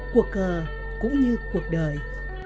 cuộc cờ cũng như cuộc đời